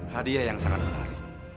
hadiah yang sangat menarik